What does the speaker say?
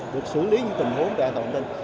được xử lý những tình huống an toàn thông tin